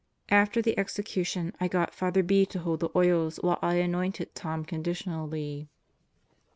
After the execution I got Father B. to hold the oils while I anointed Tom conditionally.